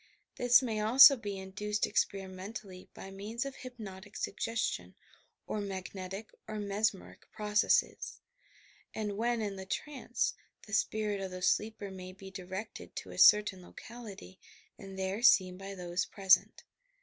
This may also be induced ex periment ally by means of hypnotic suggestion or mag netic or mesmeric processes, and, when in the trance, the spirit of the sleeper may be directed to a certain locality and there seen by those present.